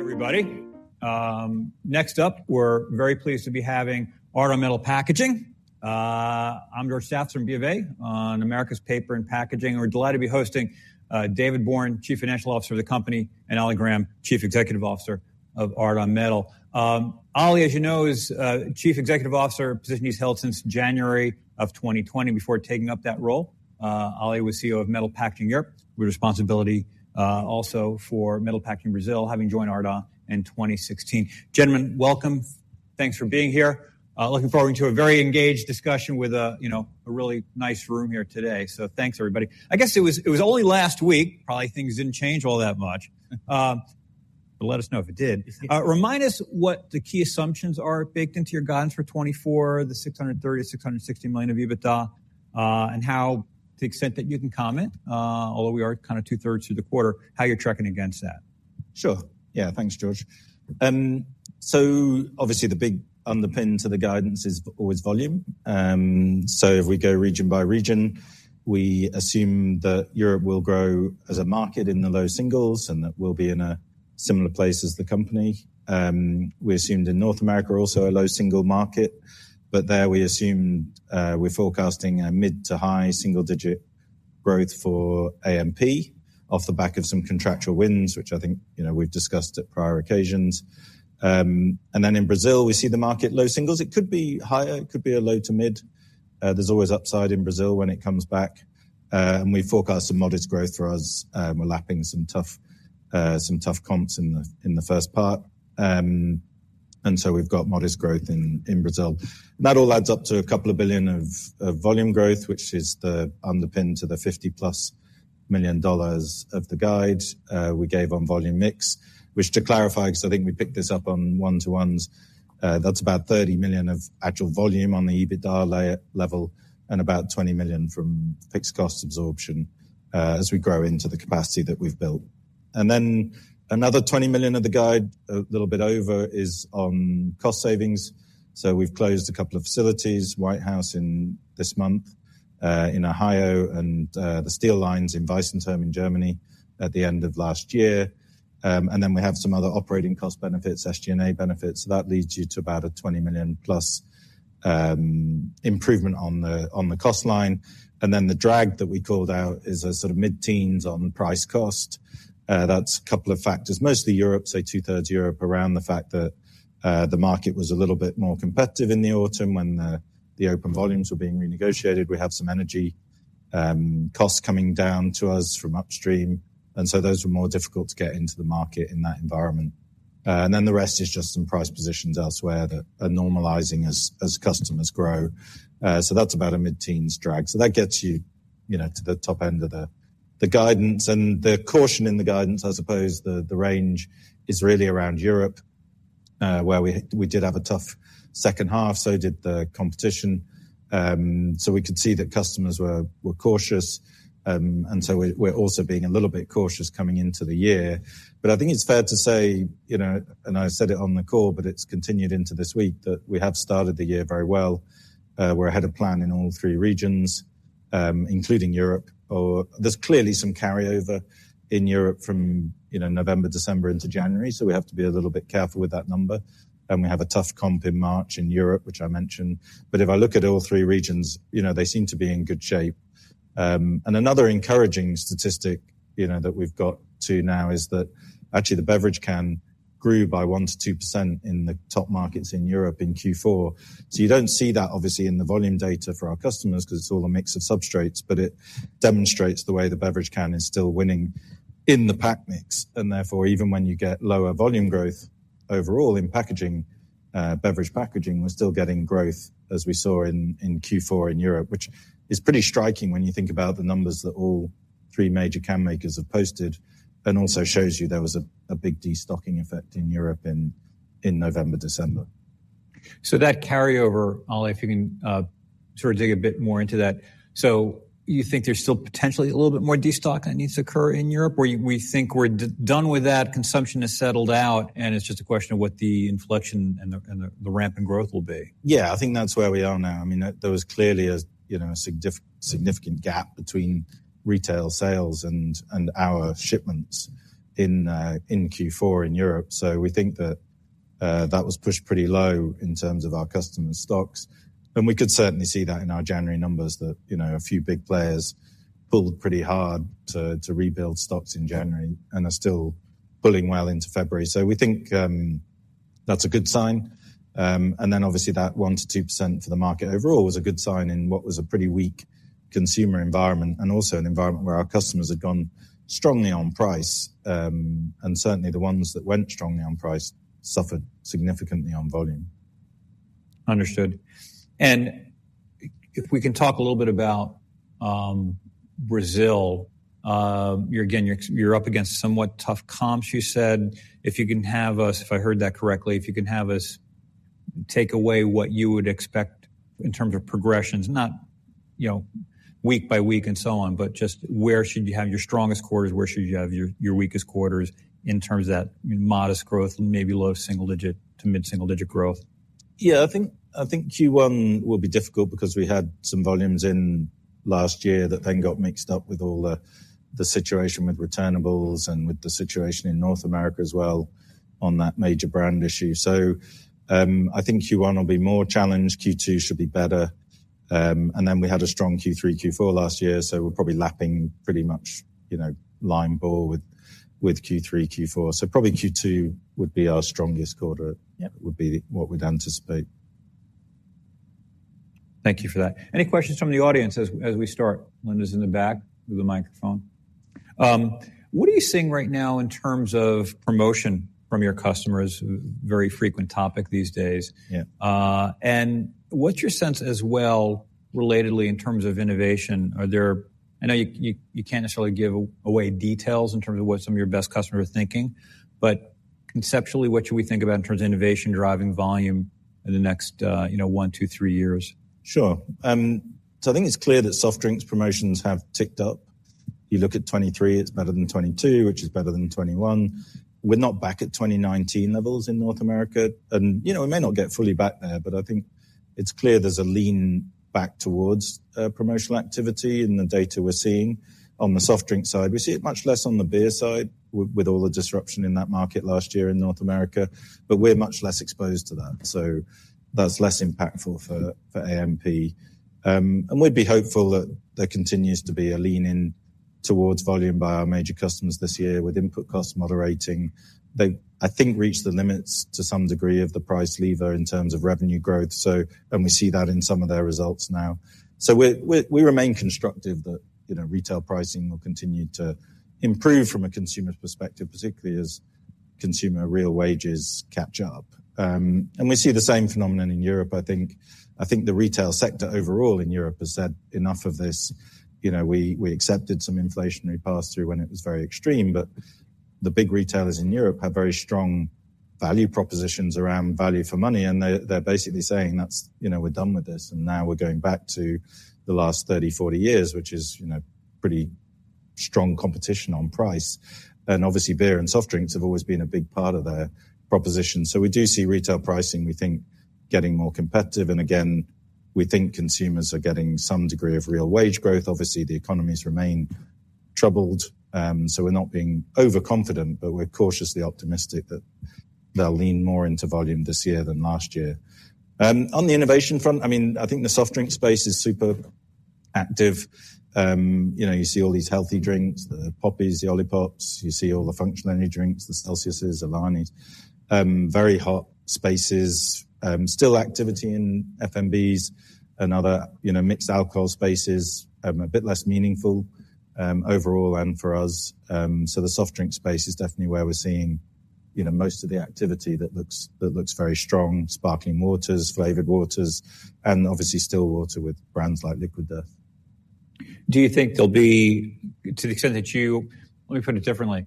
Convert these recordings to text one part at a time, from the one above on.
Everybody, next up we're very pleased to be having Ardagh Metal Packaging. I'm George Staphos from B of A on Americas Paper and Packaging. We're delighted to be hosting David Bourne, Chief Financial Officer of the company, and Oliver Graham, Chief Executive Officer of Ardagh Metal. Ollie, as you know, is Chief Executive Officer, position he's held since January of 2020 before taking up that role. Ollie was CEO of Metal Packaging Europe, with responsibility also for Metal Packaging Brazil, having joined Ardagh in 2016. Gentlemen, welcome. Thanks for being here. Looking forward to a very engaged discussion with, you know, a really nice room here today. So thanks, everybody. I guess it was only last week. Probably things didn't change all that much. Let us know if it did. Remind us what the key assumptions are baked into your guidance for 2024, the $630 to 660 million of EBITDA, and how, to the extent that you can comment, although we are kind of 2/3 through the quarter, you're tracking against that. Sure. Yeah, thanks, George. So obviously the big underpinning to the guidance is always volume. So if we go region by region, we assume that Europe will grow as a market in the low-single-digit and that we'll be in a similar place as the company. We assumed in North America also a low-single-digit market, but there we assumed, we're forecasting a mid- to high-single-digit growth for AMP off the back of some contractual wins, which I think, you know, we've discussed at prior occasions. And then in Brazil we see the market low-single-digit. It could be higher. It could be a low- to mid-. There's always upside in Brazil when it comes back. And we forecast some modest growth for us. We're lapping some tough comps in the first part. And so we've got modest growth in Brazil. That all adds up to a couple of billion of volume growth, which is the underpinning to the $50+ million of the guide we gave on volume mix. Which to clarify, because I think we picked this up on one-to-ones, that's about $30 million of actual volume on the EBITDA layer level and about $20 million from fixed cost absorption, as we grow into the capacity that we've built. Then another $20 million of the guide, a little bit over, is on cost savings. We've closed a couple of facilities, Whitehouse this month in Ohio, and the steel lines in Weißenthurm in Germany at the end of last year. Then we have some other operating cost benefits, SG&A benefits. That leads you to about a $20 million+ improvement on the cost line. And then the drag that we called out is a sort of mid-teens on price cost. That's a couple of factors, mostly Europe, say 2/3 Europe, around the fact that the market was a little bit more competitive in the autumn when the open volumes were being renegotiated. We have some energy costs coming down to us from upstream. And so those were more difficult to get into the market in that environment. Then the rest is just some price positions elsewhere that are normalizing as customers grow. So that's about a mid-teens drag. So that gets you, you know, to the top end of the guidance. And the caution in the guidance, I suppose the range is really around Europe, where we did have a tough second half, so did the competition. So we could see that customers were cautious. So we're also being a little bit cautious coming into the year. But I think it's fair to say, you know, and I said it on the call, but it's continued into this week that we have started the year very well. We're ahead of plan in all three regions, including Europe. Oh, there's clearly some carryover in Europe from, you know, November, December into January. So we have to be a little bit careful with that number. And we have a tough comp in March in Europe, which I mentioned. But if I look at all three regions, you know, they seem to be in good shape. And another encouraging statistic, you know, that we've got now is that actually the beverage can grew by 1% to 2% in the top markets in Europe in Q4. So you don't see that obviously in the volume data for our customers because it's all a mix of substrates, but it demonstrates the way the beverage can is still winning in the pack mix. And therefore, even when you get lower volume growth overall in packaging, beverage packaging, we're still getting growth as we saw in Q4 in Europe, which is pretty striking when you think about the numbers that all three major can makers have posted, and also shows you there was a big destocking effect in Europe in November, December. So that carryover, Ollie, if you can, sort of dig a bit more into that. So you think there's still potentially a little bit more destock that needs to occur in Europe, or we think we're done with that, consumption has settled out, and it's just a question of what the inflection and the ramping growth will be? Yeah, I think that's where we are now. I mean, there was clearly a, you know, a significant gap between retail sales and our shipments in Q4 in Europe. So we think that was pushed pretty low in terms of our customers' stocks. And we could certainly see that in our January numbers that, you know, a few big players pulled pretty hard to rebuild stocks in January and are still pulling well into February. So we think that's a good sign. And then obviously that 1% to 2% for the market overall was a good sign in what was a pretty weak consumer environment and also an environment where our customers had gone strongly on price. And certainly the ones that went strongly on price suffered significantly on volume. Understood. And if we can talk a little bit about Brazil, you're again up against somewhat tough comps, you said. If you can have us, if I heard that correctly, if you can have us take away what you would expect in terms of progressions, not, you know, week by week and so on, but just where should you have your strongest quarters? Where should you have your weakest quarters in terms of that modest growth, maybe low single digit to mid single digit growth? Yeah, I think Q1 will be difficult because we had some volumes in last year that then got mixed up with all the situation with returnables and with the situation in North America as well on that major brand issue. So, I think Q1 will be more challenged. Q2 should be better. Then we had a strong Q3, Q4 last year, so we're probably lapping pretty much, you know, line ball with Q3, Q4. So probably Q2 would be our strongest quarter. It would be what we'd anticipate. Thank you for that. Any questions from the audience as we start? Linda's in the back with the microphone. What are you seeing right now in terms of promotion from your customers? Very frequent topic these days. What's your sense as well, relatedly in terms of innovation? Are there? I know you can't necessarily give away details in terms of what some of your best customers are thinking, but conceptually, what should we think about in terms of innovation driving volume in the next, you know, one, two, three years? Sure. So I think it's clear that soft drinks promotions have ticked up. You look at 2023, it's better than 2022, which is better than 2021. We're not back at 2019 levels in North America. And, you know, we may not get fully back there, but I think it's clear there's a lean back towards promotional activity in the data we're seeing on the soft drink side. We see it much less on the beer side with all the disruption in that market last year in North America, but we're much less exposed to that. So that's less impactful for AMP. And we'd be hopeful that there continues to be a lean in towards volume by our major customers this year with input cost moderating. They, I think, reached the limits to some degree of the price lever in terms of revenue growth. So, and we see that in some of their results now. So we remain constructive that, you know, retail pricing will continue to improve from a consumer's perspective, particularly as consumer real wages catch up. And we see the same phenomenon in Europe, I think. I think the retail sector overall in Europe has said enough of this. You know, we accepted some inflationary pass-through when it was very extreme, but the big retailers in Europe have very strong value propositions around value for money. And they're basically saying that's, you know, we're done with this. And now we're going back to the last 30, 40 years, which is, you know, pretty strong competition on price. And obviously beer and soft drinks have always been a big part of their proposition. So we do see retail pricing, we think, getting more competitive. And again, we think consumers are getting some degree of real wage growth. Obviously the economies remain troubled. So we're not being overconfident, but we're cautiously optimistic that they'll lean more into volume this year than last year. On the innovation front, I mean, I think the soft drink space is super active. You know, you see all these healthy drinks, the Poppis, the Olipops. You see all the functional energy drinks, the Celsiuses, the Alanis. Very hot spaces. Still activity in FMBs and other, you know, mixed alcohol spaces, a bit less meaningful, overall and for us. So the soft drink space is definitely where we're seeing, you know, most of the activity that looks very strong, sparkling waters, flavored waters, and obviously still water with brands like Liquid Death. Do you think there'll be, to the extent that you let me put it differently?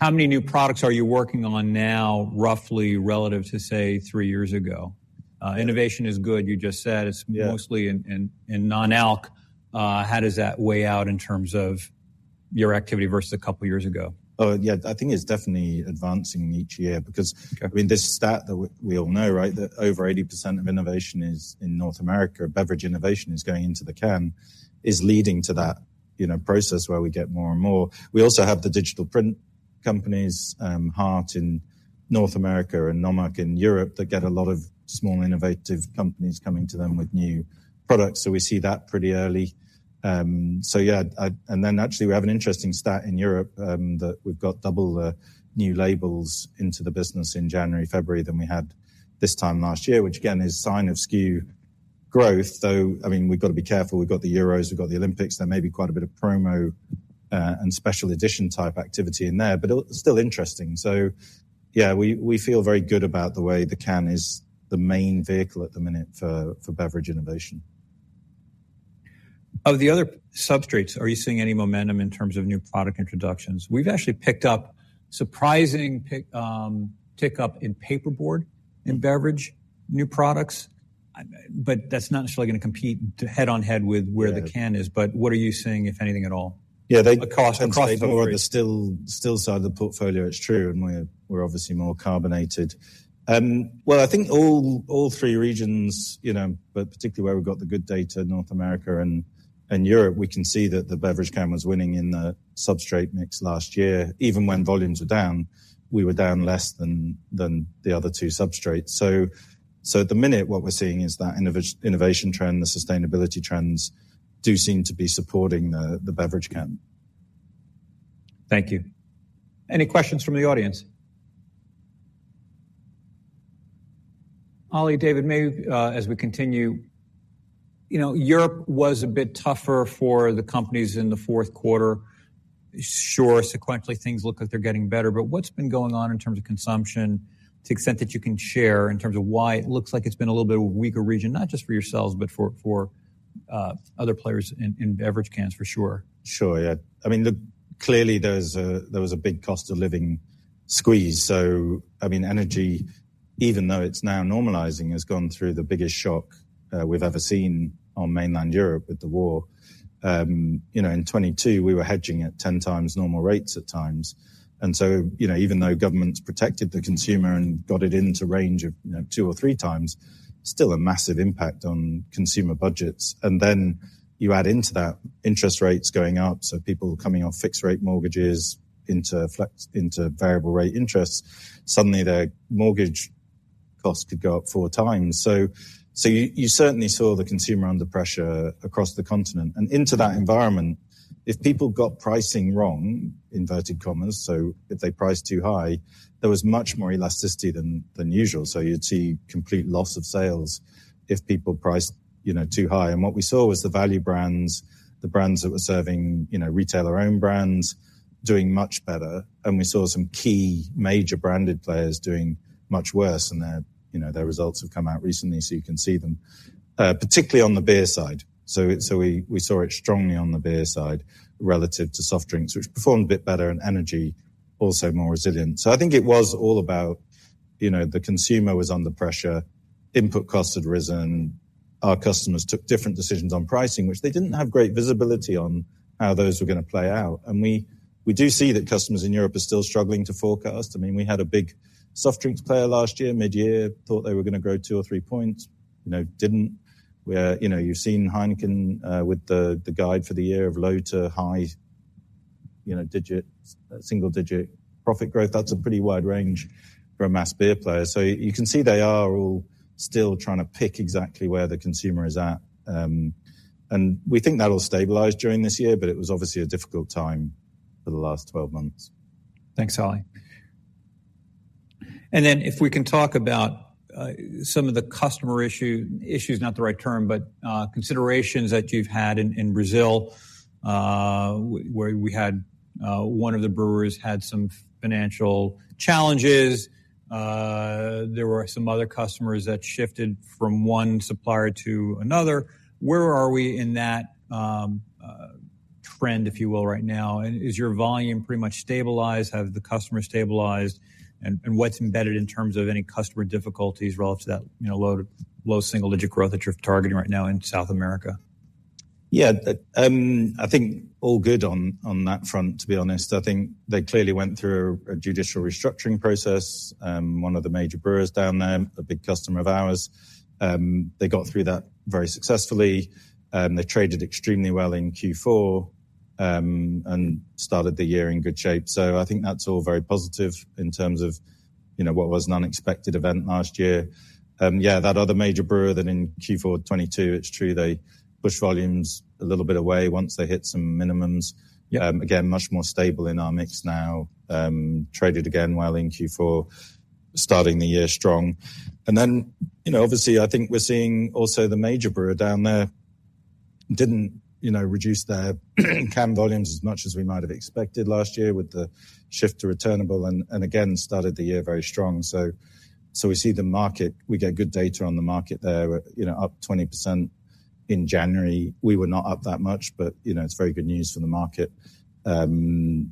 How many new products are you working on now, roughly, relative to, say, three years ago? Innovation is good, you just said. It's mostly in non-alc. How does that weigh out in terms of your activity versus a couple of years ago? Oh, yeah, I think it's definitely advancing each year because, I mean, this stat that we all know, right, that over 80% of innovation is in North America, beverage innovation is going into the can, is leading to that, you know, process where we get more and more. We also have the digital print companies, Hart in North America and NOMOQ in Europe that get a lot of small innovative companies coming to them with new products. So we see that pretty early. So yeah. And then actually we have an interesting stat in Europe, that we've got double the new labels into the business in January, February than we had this time last year, which again is a sign of SKU growth. Though, I mean, we've got to be careful. We've got the Euros. We've got the Olympics. There may be quite a bit of promo, and special edition type activity in there, but it's still interesting. So yeah, we feel very good about the way the can is the main vehicle at the minute for beverage innovation. Of the other substrates, are you seeing any momentum in terms of new product introductions? We've actually picked up surprising tick up in paperboard in beverage new products, but that's not necessarily going to compete head on head with where the can is. But what are you seeing, if anything at all? Yeah, they across the board, the still side of the portfolio, it's true. And we're obviously more carbonated. Well, I think all three regions, you know, but particularly where we've got the good data, North America and Europe, we can see that the beverage can was winning in the substrate mix last year, even when volumes were down. We were down less than the other two substrates. So at the minute, what we're seeing is that innovation trend, the sustainability trends do seem to be supporting the beverage can. Thank you. Any questions from the audience? Ollie, David, maybe, as we continue. You know, Europe was a bit tougher for the companies in Q4. Sure, sequentially things look like they're getting better. But what's been going on in terms of consumption, to the extent that you can share in terms of why it looks like it's been a little bit of a weaker region, not just for yourselves, but for other players in beverage cans, for sure. Sure. Yeah. I mean, look, clearly there was a big cost of living squeeze. So, I mean, energy, even though it's now normalizing, has gone through the biggest shock we've ever seen on mainland Europe with the war. You know, in 2022 we were hedging at ten times normal rates at times. And so, you know, even though governments protected the consumer and got it into range of, you know, two or three times, still a massive impact on consumer budgets. And then you add into that interest rates going up. So people coming off fixed rate mortgages into variable rate interests, suddenly their mortgage cost could go up four times. So you certainly saw the consumer under pressure across the continent. And into that environment, if people got pricing wrong, inverted commas, so if they priced too high, there was much more elasticity than usual. So you'd see complete loss of sales if people priced, you know, too high. And what we saw was the value brands, the brands that were serving, you know, retailer owned brands doing much better. And we saw some key major branded players doing much worse. And their, you know, results have come out recently. So you can see them, particularly on the beer side. So we saw it strongly on the beer side relative to soft drinks, which performed a bit better and energy also more resilient. So I think it was all about, you know, the consumer was under pressure, input cost had risen, our customers took different decisions on pricing, which they didn't have great visibility on how those were going to play out. And we do see that customers in Europe are still struggling to forecast. I mean, we had a big soft drinks player last year, mid-year, thought they were going to grow 2 or 3 points, you know, didn't. We're, you know, you've seen Heineken with the guide for the year of low to high, you know, digit, single digit profit growth. That's a pretty wide range for a mass beer player. So you can see they are all still trying to pick exactly where the consumer is at, and we think that'll stabilize during this year, but it was obviously a difficult time for the last 12 months. Thanks, Ollie. And then if we can talk about some of the customer issues, not the right term, but, considerations that you've had in Brazil, where we had one of the brewers had some financial challenges. There were some other customers that shifted from one supplier to another. Where are we in that trend, if you will, right now? And is your volume pretty much stabilized? Have the customers stabilized? And what's embedded in terms of any customer difficulties relative to that, you know, low- to low-single-digit growth that you're targeting right now in South America? Yeah, I think all good on that front, to be honest. I think they clearly went through a judicial restructuring process. One of the major brewers down there, a big customer of ours. They got through that very successfully. They traded extremely well in Q4, and started the year in good shape. So I think that's all very positive in terms of, you know, what was an unexpected event last year. Yeah, that other major brewer than in Q4 2022, it's true. They pushed volumes a little bit away once they hit some minimums. Again, much more stable in our mix now, traded again well in Q4, starting the year strong. And then, you know, obviously I think we're seeing also the major brewer down there didn't, you know, reduce their can volumes as much as we might have expected last year with the shift to returnable and again started the year very strong. So we see the market. We get good data on the market there, you know, up 20% in January. We were not up that much, but, you know, it's very good news for the market.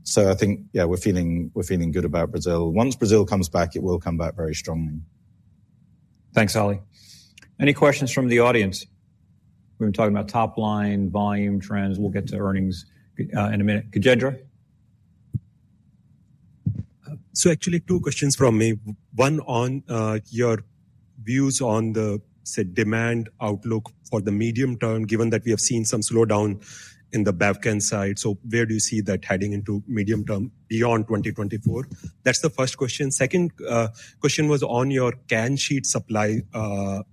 So I think, yeah, we're feeling good about Brazil. Once Brazil comes back, it will come back very strongly. Thanks, Ollie. Any questions from the audience? We've been talking about top line, volume trends. We'll get to earnings, in a minute. Kajedra? So actually two questions from me. One on your views on the demand outlook for the medium term, given that we have seen some slowdown in the bev can side. So where do you see that heading into medium term beyond 2024? That's the first question. Second question was on your can sheet supply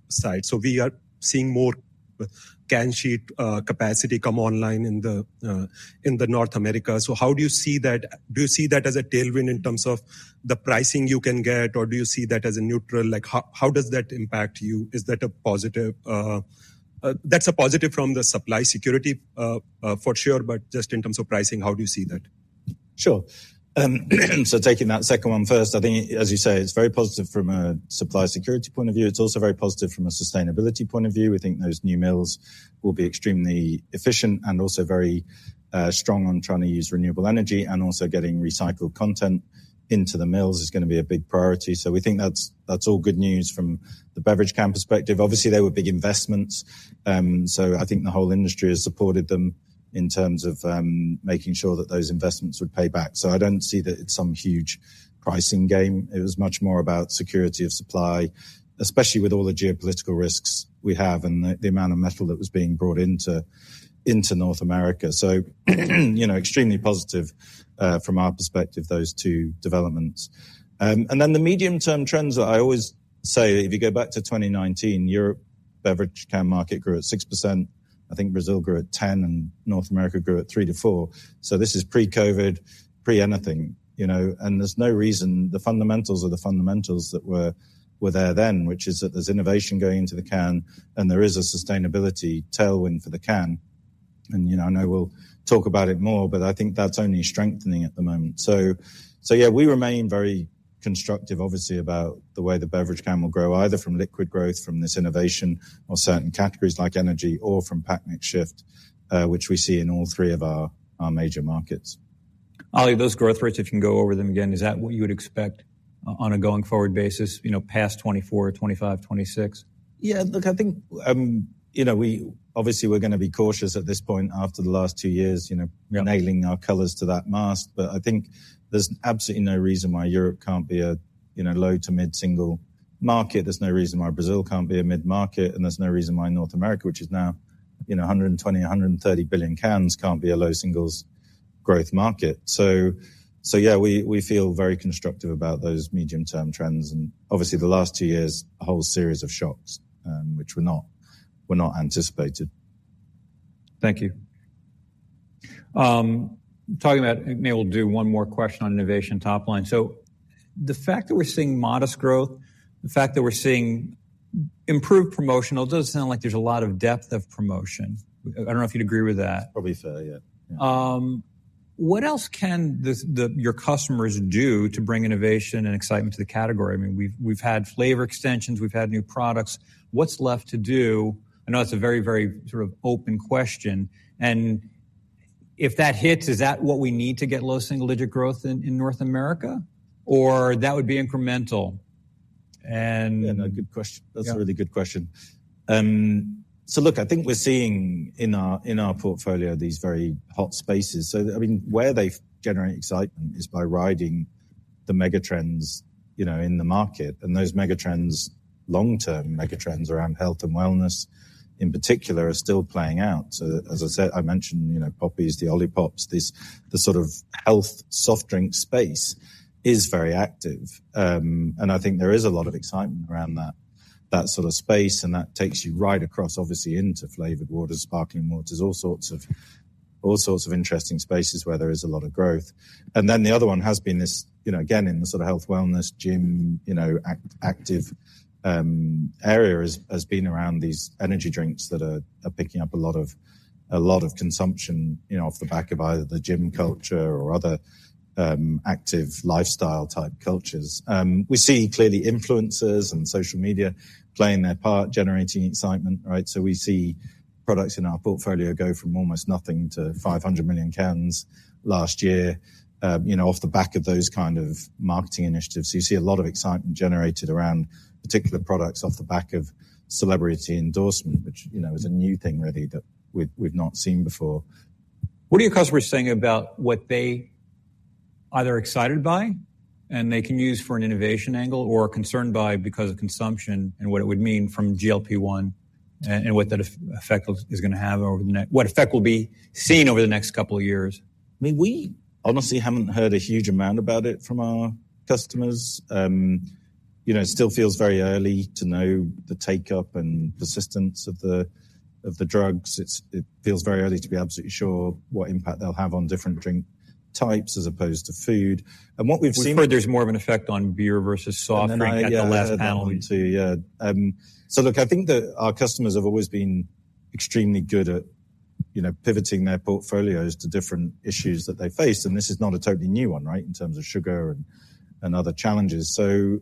side. So we are seeing more can sheet capacity come online in the North America. So how do you see that? Do you see that as a tailwind in terms of the pricing you can get, or do you see that as a neutral? Like, how does that impact you? Is that a positive? That's a positive from the supply security, for sure. But just in terms of pricing, how do you see that? Sure. Taking that second one first, I think, as you say, it's very positive from a supply security point of view. It's also very positive from a sustainability point of view. We think those new mills will be extremely efficient and also very strong on trying to use renewable energy and also getting recycled content into the mills is going to be a big priority. So we think that's all good news from the beverage can perspective. Obviously they were big investments. So I think the whole industry has supported them in terms of making sure that those investments would pay back. So I don't see that it's some huge pricing game. It was much more about security of supply, especially with all the geopolitical risks we have and the amount of metal that was being brought into North America. So, you know, extremely positive, from our perspective, those two developments. And then the medium term trends that I always say, if you go back to 2019, Europe beverage can market grew at 6%. I think Brazil grew at 10% and North America grew at 3% to 4%. So this is pre-COVID, pre-anything, you know, and there's no reason. The fundamentals are the fundamentals that were there then, which is that there's innovation going into the can and there is a sustainability tailwind for the can. And, you know, I know we'll talk about it more, but I think that's only strengthening at the moment. So, so yeah, we remain very constructive, obviously, about the way the beverage can will grow, either from liquid growth, from this innovation or certain categories like energy, or from pack mix shift, which we see in all three of our major markets. Ollie, those growth rates, if you can go over them again, is that what you would expect on a going forward basis, you know, past 2024, 2025, 2026? Yeah, look, I think, you know, we obviously we're going to be cautious at this point after the last two years, you know, nailing our colours to that mast. But I think there's absolutely no reason why Europe can't be a, you know, low to mid single market. There's no reason why Brazil can't be a mid market. And there's no reason why North America, which is now, you know, 120 to 130 billion cans, can't be a low singles growth market. So yeah, we feel very constructive about those medium term trends. And obviously the last two years, a whole series of shocks, which were not anticipated. Thank you. Maybe we'll do one more question on innovation top line. So the fact that we're seeing modest growth, the fact that we're seeing improved promotion, it does sound like there's a lot of depth of promotion. I don't know if you'd agree with that. Probably fair. Yeah. What else can the your customers do to bring innovation and excitement to the category? I mean, we've had flavor extensions. We've had new products. What's left to do? I know that's a very, very sort of open question. And if that hits, is that what we need to get low single-digit growth in North America, or that would be incremental? And. Yeah, no good question. That's a really good question. So look, I think we're seeing in our portfolio these very hot spaces. So, I mean, where they generate excitement is by riding the mega trends, you know, in the market. And those mega trends, long term mega trends around health and wellness in particular, are still playing out. So as I said, I mentioned, you know, Poppi's, the Olipops, the sort of health soft drink space is very active. And I think there is a lot of excitement around that sort of space. And that takes you right across, obviously, into flavoured waters, sparkling waters, all sorts of interesting spaces where there is a lot of growth. And then the other one has been this, you know, again, in the sort of health wellness gym, you know, active, area has been around these energy drinks that are picking up a lot of consumption, you know, off the back of either the gym culture or other active lifestyle type cultures. We see clearly influencers and social media playing their part, generating excitement, right? So we see products in our portfolio go from almost nothing to 500 million cans last year, you know, off the back of those kind of marketing initiatives. So you see a lot of excitement generated around particular products off the back of celebrity endorsement, which, you know, is a new thing really that we've not seen before. What are your customers saying about what they either excited by and they can use for an innovation angle or concerned by because of consumption and what it would mean from GLP-1 and what that effect is going to have over the next what effect will be seen over the next couple of years? I mean, we honestly haven't heard a huge amount about it from our customers. You know, it still feels very early to know the uptake and persistence of the drugs. It feels very early to be absolutely sure what impact they'll have on different drink types as opposed to food. And what we've seen. We've heard there's more of an effect on beer versus soft drink at the last panel. Yeah. So look, I think that our customers have always been extremely good at, you know, pivoting their portfolios to different issues that they've faced. And this is not a totally new one, right, in terms of sugar and other challenges. So,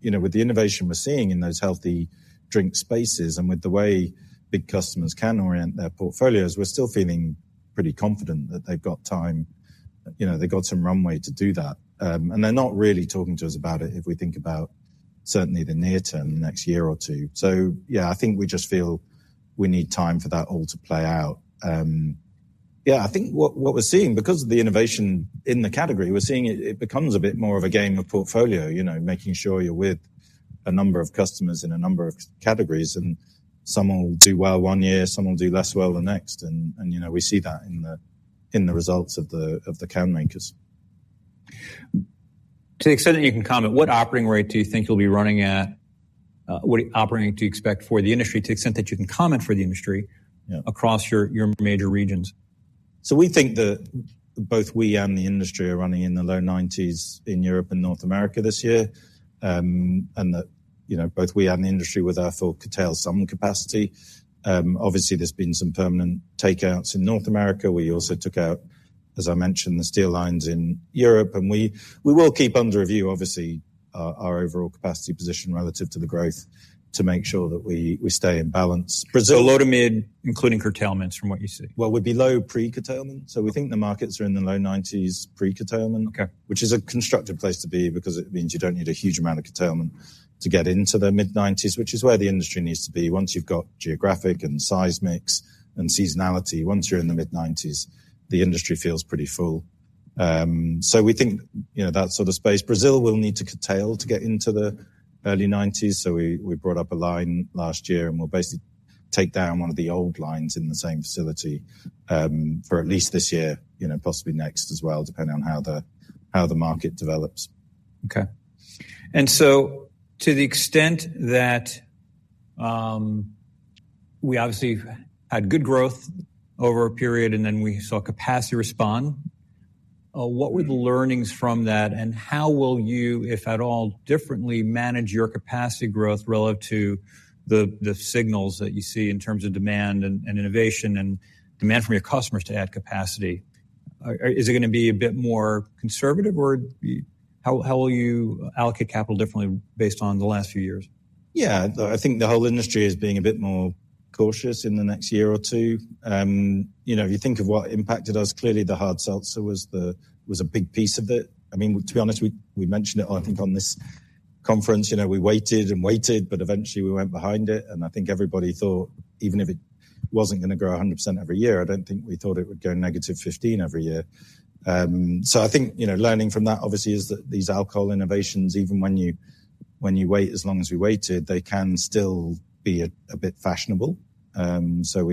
you know, with the innovation we're seeing in those healthy drink spaces and with the way big customers can orient their portfolios, we're still feeling pretty confident that they've got time, you know, they've got some runway to do that. They're not really talking to us about it if we think about certainly the near term, the next year or two. So yeah, I think we just feel we need time for that all to play out. Yeah, I think what we're seeing because of the innovation in the category, we're seeing it becomes a bit more of a game of portfolio, you know, making sure you're with a number of customers in a number of categories and some will do well one year, some will do less well the next. And you know, we see that in the results of the can makers. To the extent that you can comment, what operating rate do you think you'll be running at? What operating rate do you expect for the industry, to the extent that you can comment for the industry across your major regions? We think that both we and the industry are running in the low 90s in Europe and North America this year, and that, you know, both we and the industry, without a doubt, could take out some capacity. Obviously, there's been some permanent takeouts in North America. We also took out, as I mentioned, the steel lines in Europe. We will keep under review, obviously, our overall capacity position relative to the growth to make sure that we stay in balance. Brazil, a lot of mid, including curtailments from what you see. Well, we'd be low pre-curtailment. So we think the markets are in the low 90s pre-curtailment, which is a constructive place to be because it means you don't need a huge amount of curtailment to get into the mid 90s, which is where the industry needs to be. Once you've got geographic and seismics and seasonality, once you're in the mid 90s, the industry feels pretty full. So we think, you know, that sort of space. Brazil will need to curtail to get into the early 90s. So we brought up a line last year and we'll basically take down one of the old lines in the same facility, for at least this year, you know, possibly next as well, depending on how the market develops. Okay. And so to the extent that, we obviously had good growth over a period and then we saw capacity respond, what were the learnings from that and how will you, if at all, differently manage your capacity growth relative to the signals that you see in terms of demand and innovation and demand from your customers to add capacity? Is it going to be a bit more conservative or how will you allocate capital differently based on the last few years? Yeah, I think the whole industry is being a bit more cautious in the next year or two. You know, if you think of what impacted us, clearly the Hard seltzer was a big piece of it. I mean, to be honest, we mentioned it, I think, on this conference. You know, we waited and waited, but eventually we went behind it. And I think everybody thought, even if it wasn't going to grow 100% every year, I don't think we thought it would go negative 15% every year. So I think, you know, learning from that obviously is that these alcohol innovations, even when you wait as long as we waited, they can still be a bit fashionable. So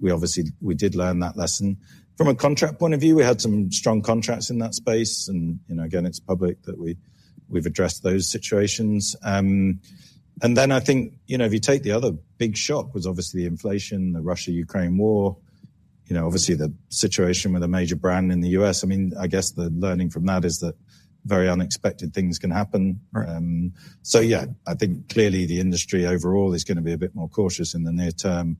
we obviously did learn that lesson. From a contract point of view, we had some strong contracts in that space. You know, again, it's public that we've addressed those situations. Then I think, you know, if you take the other big shock was obviously the inflation, the Russia-Ukraine war, you know, obviously the situation with a major brand in the US I mean, I guess the learning from that is that very unexpected things can happen. Yeah, I think clearly the industry overall is going to be a bit more cautious in the near term.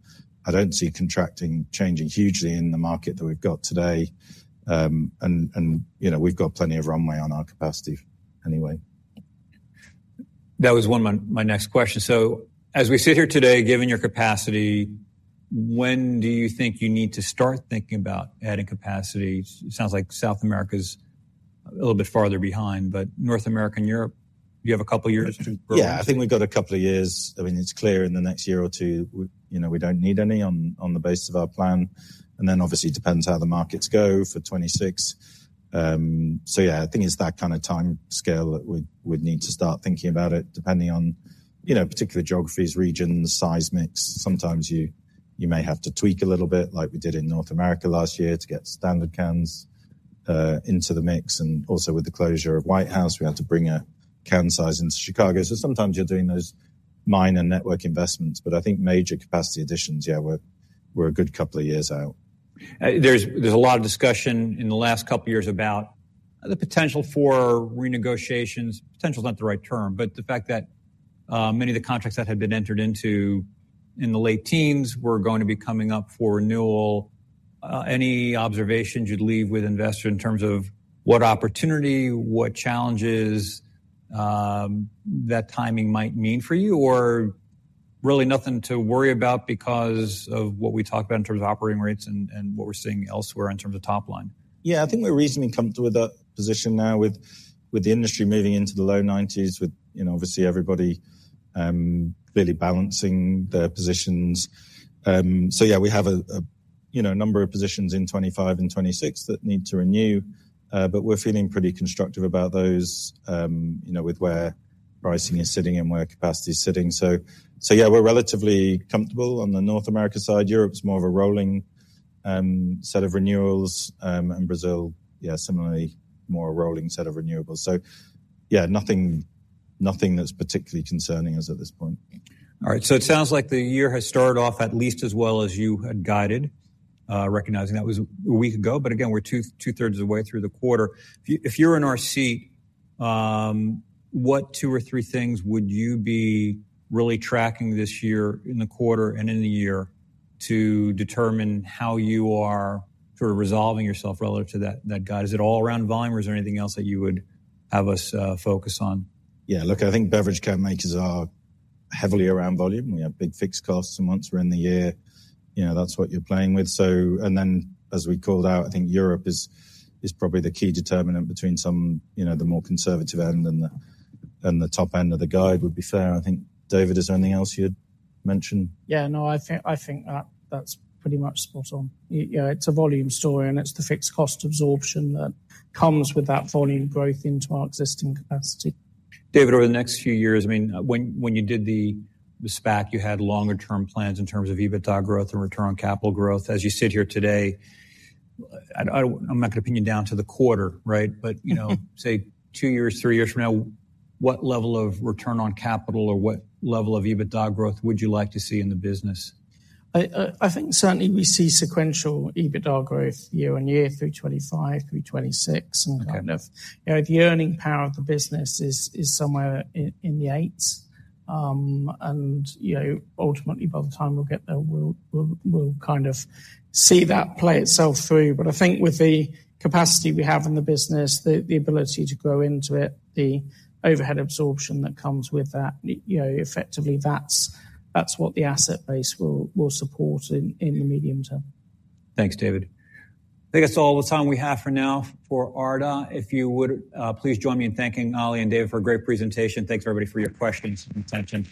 I don't see contracting changing hugely in the market that we've got today. And, you know, we've got plenty of runway on our capacity anyway. That was one of my next questions. So as we sit here today, given your capacity, when do you think you need to start thinking about adding capacity? It sounds like South America's a little bit farther behind, but North America and Europe, do you have a couple of years to grow? Yeah, I think we've got a couple of years. I mean, it's clear in the next year or two, you know, we don't need any on the base of our plan. And then obviously it depends how the markets go for 2026. So yeah, I think it's that kind of time scale that we'd need to start thinking about it depending on, you know, particular geographies, regions, dynamics. Sometimes you may have to tweak a little bit like we did in North America last year to get standard cans into the mix. And also with the closure of Whitehouse, we had to bring a can size into Chicago. So sometimes you're doing those minor network investments, but I think major capacity additions, yeah, we're a good couple of years out. There’s a lot of discussion in the last couple of years about the potential for renegotiations. Potential is not the right term, but the fact that many of the contracts that had been entered into in the late teens were going to be coming up for renewal. Any observations you’d leave with investors in terms of what opportunity, what challenges, that timing might mean for you or really nothing to worry about because of what we talked about in terms of operating rates and what we’re seeing elsewhere in terms of top line? Yeah, I think we're reasonably comfortable with that position now with the industry moving into the low 90s with, you know, obviously everybody really balancing their positions. So yeah, we have a, you know, number of positions in 2025 and 2026 that need to renew. But we're feeling pretty constructive about those, you know, with where pricing is sitting and where capacity is sitting. So yeah, we're relatively comfortable on the North America side. Europe's more of a rolling set of renewables. And Brazil, yeah, similarly, more a rolling set of renewables. So yeah, nothing that's particularly concerning us at this point. All right. So it sounds like the year has started off at least as well as you had guided, recognizing that was a week ago. But again, we're two-thirds of the way through the quarter. If you're in our seat, what two or three things would you be really tracking this year in the quarter and in the year to determine how you are sort of resolving yourself relative to that guide? Is it all around volume or is there anything else that you would have us focus on? Yeah, look, I think beverage can makers are heavily around volume. We have big fixed costs once we're in the year. You know, that's what you're playing with. So and then as we called out, I think Europe is probably the key determinant between some, you know, the more conservative end and the top end of the guide would be fair. I think David, is there anything else you'd mention? Yeah, no, I think I think that that's pretty much spot on. Yeah, it's a volume story and it's the fixed cost absorption that comes with that volume growth into our existing capacity. David, over the next few years, I mean, when you did the SPAC, you had longer term plans in terms of EBITDA growth and return on capital growth. As you sit here today, I don't, I'm not going to pin you down to the quarter, right? But, you know, say two years, three years from now, what level of return on capital or what level of EBITDA growth would you like to see in the business? I think certainly we see sequential EBITDA growth year-over-year through 2025, through 2026 and kind of, you know, the earning power of the business is somewhere in the eights. And, you know, ultimately by the time we'll get there, we'll kind of see that play itself through. But I think with the capacity we have in the business, the ability to grow into it, the overhead absorption that comes with that, you know, effectively that's what the asset base will support in the medium term. Thanks, David. I think that's all the time we have for now for Ardagh. If you would, please join me in thanking Ollie and David for a great presentation. Thanks everybody for your questions and attention.